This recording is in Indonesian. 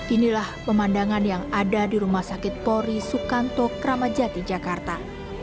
inilah pemandangan yang ada di rumah sakit pori sukanto kramajati jakarta